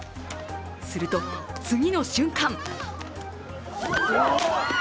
すると次の瞬間